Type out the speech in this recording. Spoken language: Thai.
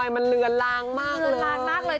มันเหลือนลางมากเลย